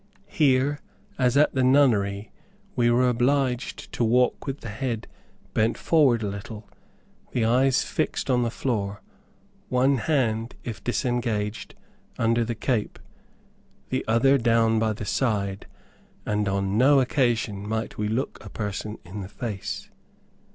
Here, as at the nunnery, we were obliged to walk with the head bent forward a little, the eyes fixed on the floor, one hand, if disengaged, under the cape, the other down by the side, and on no occasion might we look a person in the face.